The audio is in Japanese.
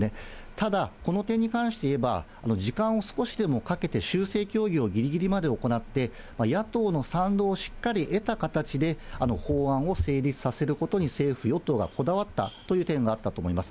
ただ、この点に関していえば、時間を少しでもかけて修正協議をぎりぎりまで行って、野党の賛同をしっかりと得た形で、法案を成立させることに政府・与党がこだわったという点があったと思います。